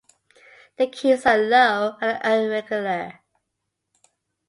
The keys are low and irregular.